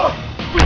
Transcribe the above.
mereka bisa berdua